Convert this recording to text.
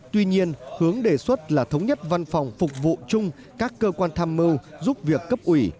tuy nhiên hướng đề xuất là thống nhất văn phòng phục vụ chung các cơ quan tham mưu giúp việc cấp ủy